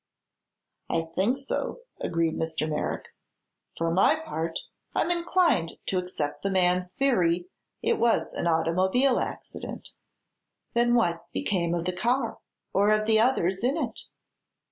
"I think so," agreed Mr. Merrick. "For my part, I'm inclined to accept the man's theory that it was an automobile accident." "Then what became of the car, or of the others in it?"